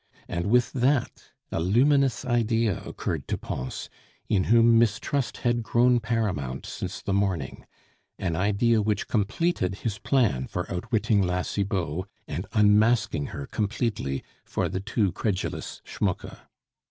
And with that a luminous idea occurred to Pons, in whom mistrust had grown paramount since the morning, an idea which completed his plan for outwitting La Cibot and unmasking her completely for the too credulous Schmucke.